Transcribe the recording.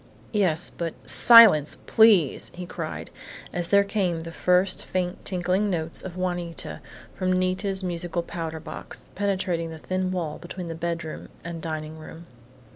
"Yes, but Silence, please!" he cried, as there came the first faint, tinkling notes of Juanita, from Nita's musical powder box, penetrating the thin wall between the bedroom and dining room.